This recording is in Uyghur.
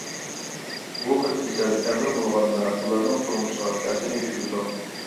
بۇ خىل كېسەل ئېغىر بولغاندا ئۇلارنىڭ تۇرمۇشىغا تەسىر يەتكۈزىدۇ.